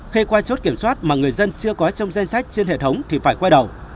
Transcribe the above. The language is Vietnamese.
khi qua chốt kiểm soát mà người dân chưa có trong danh sách trên hệ thống thì phải quay đầu